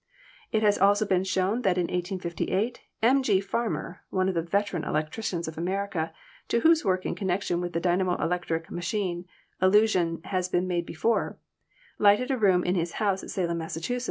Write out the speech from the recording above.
It has also been shown that in 1858 M. G. Farmer, one of the veteran electricians of America, to whose work in connection with the dynamo electric ma chine allusion has been made before, lighted a room in his house at Salem, Mass.